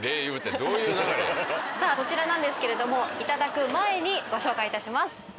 こちらなんですけれどもいただく前にご紹介いたします。